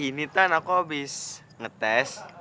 ini kan aku habis ngetes